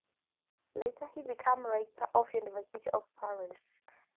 Later he became Rector of the University of Paris.